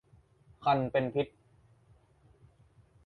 ครรภ์เป็นพิษ